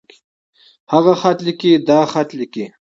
هغۀ خط ليکي. دا خط ليکي.